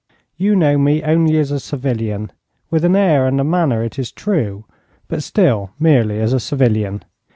You know me only as a civilian with an air and a manner, it is true but still merely as a civilian.